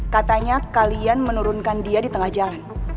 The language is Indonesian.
katanya kalian menurunkan dia di tengah jalan